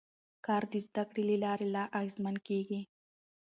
کار د زده کړې له لارې لا اغېزمن کېږي